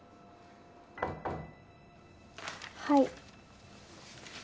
はい。